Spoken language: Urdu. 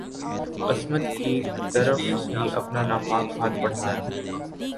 عصمت کی طرف بھی اپنا ناپاک ہاتھ بڑھایا